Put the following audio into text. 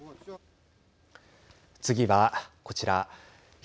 次はこちら。